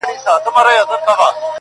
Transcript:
چي ځيني وکيلان به ئې